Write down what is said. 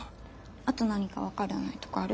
あと何か分からないとこある？